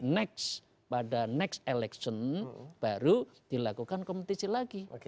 next pada next election baru dilakukan kompetisi lagi